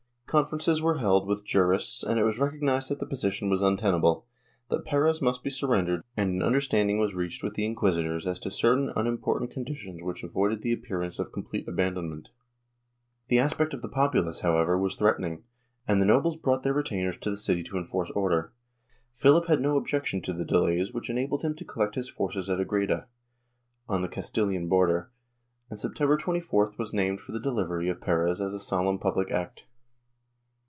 Conferences were held with jurists and it was recognized that the position was untenable, that Perez must be surrendered and an understanding was reached with the inquisitors as to certain unimportant conditions which avoided the appearance of complete abandonment. The aspect 262 POLITICAL ACTIVITY [Book VIII of the populace, however, was threatening, and the nobles brought their retainers to the city to enforce order. Phihp had no objection to the delays which enabled him to collect his forces at Agreda, on the Castilian border, and September 24th was named for the delivery of Perez as a solemn public act.